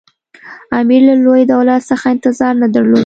امیر له لوی دولت څخه انتظار نه درلود.